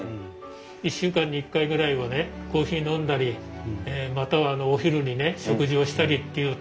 １週間に１回ぐらいはねコーヒー飲んだりまたはお昼に食事をしたりっていう楽しみができましたよね。